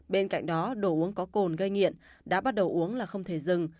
bên cạnh đó đồ uống có cồn gây nghiện đã bắt đầu uống là không thể dừng